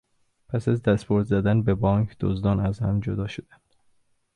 پس از دستبرد زدن به بانک دزدان از هم جدا شدند.